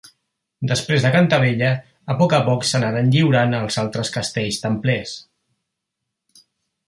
Després de Cantavella, a poc a poc s'anaren lliurant els altres castells templers.